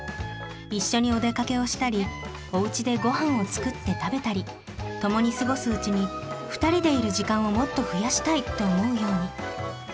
一緒にお出かけをしたりおうちでごはんを作って食べたり共に過ごすうちに二人でいる時間をもっと増やしたいと思うように。